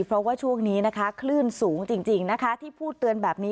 เพราะว่าช่วงนี้นะคะคลื่นสูงจริงนะคะที่พูดเตือนแบบนี้